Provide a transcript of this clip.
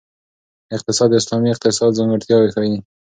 اقتصاد د اسلامي اقتصاد ځانګړتیاوې ښيي.